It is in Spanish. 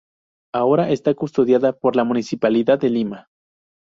Ahora está custodiada por la Municipalidad de Lima.